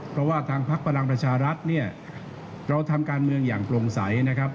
เพราะว่าทางพักพลังประชารัฐเนี่ยเราทำการเมืองอย่างโปร่งใสนะครับ